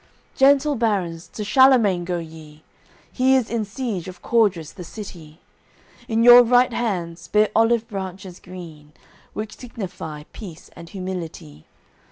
"Gentle Barons, to Charlemagne go ye; He is in siege of Cordres the city. In your right hands bear olive branches green Which signify Peace and Humility.